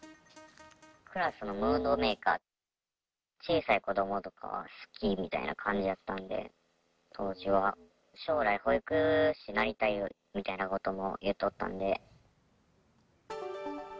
クラスのムードメーカー、小さい子どもとかは好きみたいな感じだったので、当時は、将来、保育士になりたいみたいなこともいっとったんで。